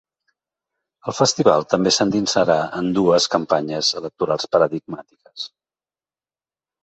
El festival també s’endinsarà en dues campanyes electorals paradigmàtiques.